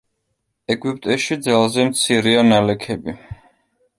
ეგვიპტეში ძალზე მცირეა ნალექები.